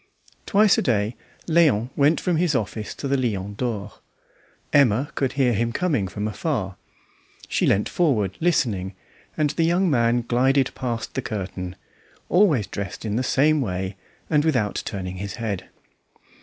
Twice a day Léon went from his office to the Lion d'Or. Emma could hear him coming from afar; she leant forward listening, and the young man glided past the curtain, always dressed in the same way, and without turning his head.